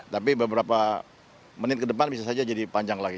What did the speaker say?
tapi beberapa menit ke depan bisa saja jadi panjang lagi